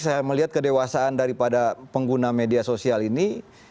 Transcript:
kalau kita lihat kedewasaan daripada pengguna media sosial ini